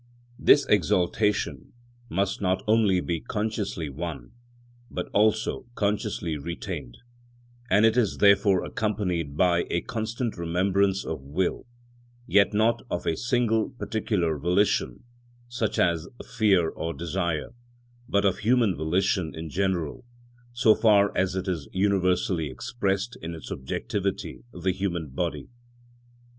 This exaltation must not only be consciously won, but also consciously retained, and it is therefore accompanied by a constant remembrance of will; yet not of a single particular volition, such as fear or desire, but of human volition in general, so far as it is universally expressed in its objectivity the human body.